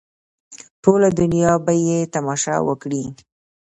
ټوله دنیا به یې تماشه وکړي.